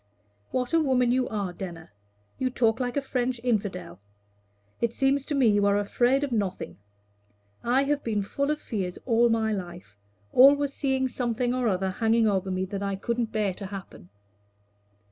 "What a woman you are, Denner! You talk like a French infidel. It seems to me you are afraid of nothing. I have been full of fears all my life always seeing something or other hanging over me that I couldn't bear to happen."